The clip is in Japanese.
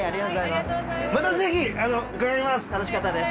またぜひ伺います。